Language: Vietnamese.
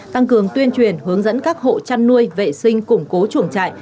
tăng cường tuyên truyền hướng dẫn các hộ chăn nuôi vệ sinh củng cố chuồng trại